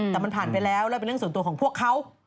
แต่มันผ่านไปแล้วแล้วเป็นเรื่องส่วนตัวของพวกเขา